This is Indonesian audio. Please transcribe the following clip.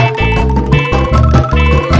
yang dulu nyiksa kita